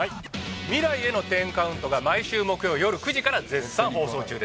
『未来への１０カウント』が毎週木曜よる９時から絶賛放送中です。